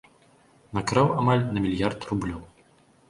Накраў амаль на мільярд рублёў.